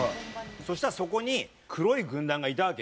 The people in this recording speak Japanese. そしたらそこに黒い軍団がいたわけ。